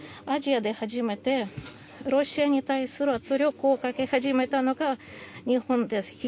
アジアで初めてロシアに対する圧力をかけ始めたのが日本です。